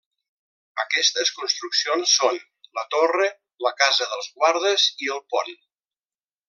Aquestes construccions són: la Torre, la Casa dels Guardes i el Pont.